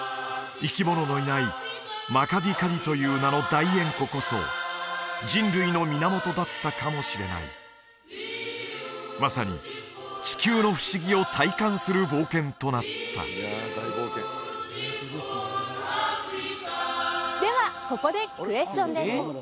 生き物のいないマカディカディという名の大塩湖こそ人類の源だったかもしれないまさに地球の不思議を体感する冒険となったではここでクエスチョンです